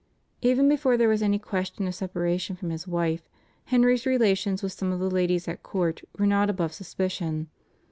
Even before there was any question of separation from his wife, Henry's relations with some of the ladies at court were not above suspicion.